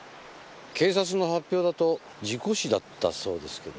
警察の発表だと事故死だったそうですけど？